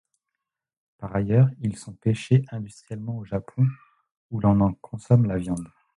Par ailleurs, ils sont pêchés industriellement au Japon, où l'on en consomme la viande.